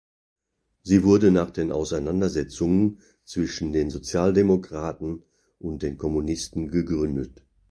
Sie wurde nach den Auseinandersetzungen zwischen den Sozialdemokraten und den Kommunisten gegründet.